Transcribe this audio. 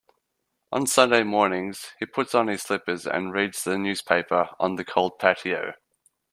On Sunday mornings, he puts on his slippers and reads the newspaper on the cold patio.